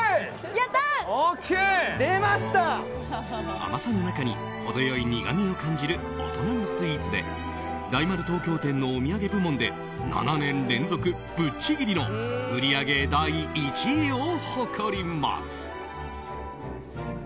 甘さの中に程良い苦みを感じる大人のスイーツで大丸東京店のお土産部門で７年連続ぶっちぎりの売り上げ第１位を誇ります。